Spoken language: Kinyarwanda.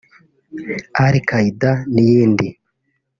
Al-Qaeda n’iyindi